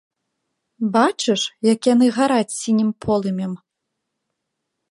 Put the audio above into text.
Бачыш, як яны гараць сінім полымем?